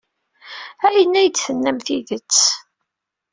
Ayen ay d-tennam d tidet.